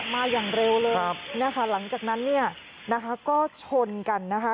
มาอย่างเร็วเลยหลังจากนั้นก็ชนกันนะคะ